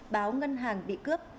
báo ngân hàng bị cướp